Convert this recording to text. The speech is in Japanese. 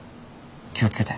気を付けて。